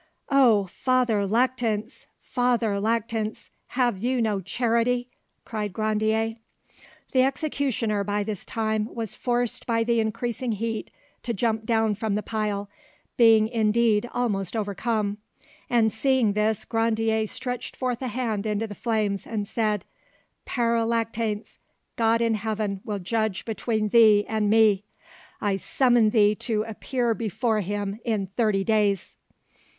"Oh, Father Lactance! Father Lactance! have you no charity?" cried Grandier. The executioner by this time was forced by the increasing heat to jump down from the pile, being indeed almost overcome; and seeing this, Grandier stretched forth a hand into the flames, and said— "Pere Lactance, God in heaven will judge between thee and me; I summon thee to appear before Him in thirty days."